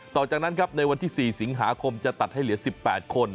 ต่อจากนั้นครับในวันที่๔สิงหาคมจะตัดให้เหลือ๑๘คน